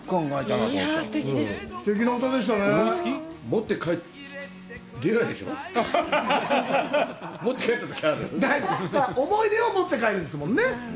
だから思い出を持って帰るんですもんね。